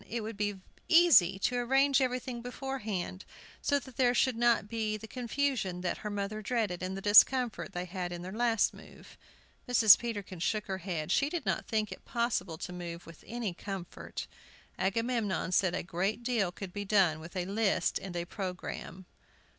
It would be easy to arrange everything beforehand, so that there should not be the confusion that her mother dreaded, and the discomfort they had in their last move. Mrs. Peterkin shook her head; she did not think it possible to move with any comfort. Agamemnon said a great deal could be done with a list and a programme.